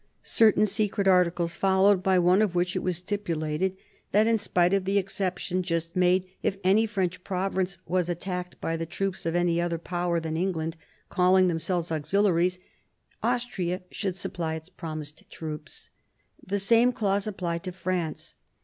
Certain secret articles followed, by one of which it was stipulated that, in spite of the exception just made, if any French province was attacked by the troops of any other Power than England, calling themselves auxiliaries, Austria should supply its promised troops. The same clause applied to France.